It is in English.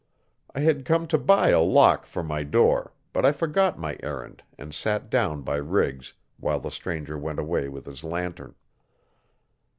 I had come to buy a lock for my door, but I forgot my errand and sat down by Riggs while the stranger went away with his lantern.